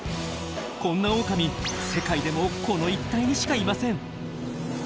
こんなオオカミ世界でもこの一帯にしかいません！